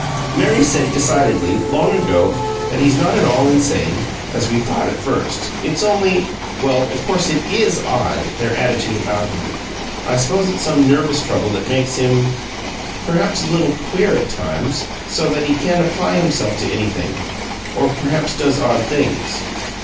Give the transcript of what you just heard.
Mary said decidely, long ago, that he's not at all insane, as we thought at first. It's only well, of course it IS odd, their attitude about him. I suppose it's some nervous trouble that makes him perhaps a little queer at times, so that he can't apply himself to anything or perhaps does odd things.